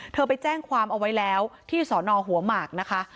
ไปแจ้งความเอาไว้แล้วที่สอนอหัวหมากนะคะ